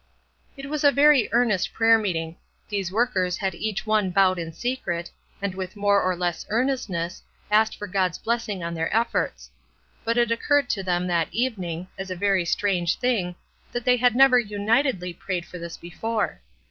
It was a very earnest prayer meeting. These workers had each one bowed in secret, and with more or less earnestness, asked for God's blessing on their efforts; but it occurred to them that evening, as a very strange thing, that they had never unitedly prayed for this before.